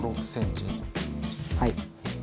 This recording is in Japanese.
はい。